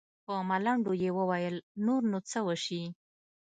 په ملنډو يې وويل نور نو څه وسي.